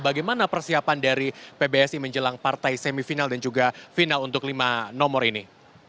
bagaimana persiapan dari pbsi menjelang partai semifinal dan juga final untuk lima nomor ini